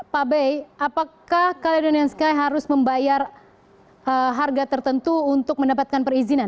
pak bey apakah caledonian sky harus membayar harga tertentu untuk mendapatkan perizinan